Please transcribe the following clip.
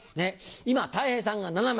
今たい平さんが７枚。